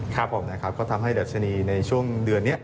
ครับผมนะครับก็ทำให้ดัชนีในช่วงเดือนนี้